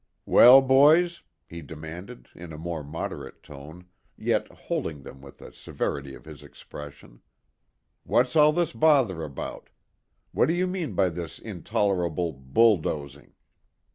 "Well, boys," he demanded, in a more moderate tone, yet holding them with the severity of his expression. "What's all this bother about? What do you mean by this intolerable bulldozing?"